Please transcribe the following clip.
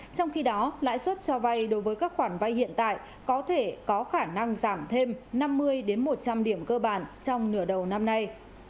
trong khi đó lãi suất cho vay đối với các khoản vay hiện tại có thể có khả năng giảm thêm năm mươi một trăm linh điểm cơ bản trong nửa đầu năm nay